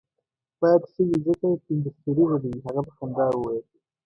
باید ښه وي ځکه پنځه ستوریزه دی، هغه په خندا وویل.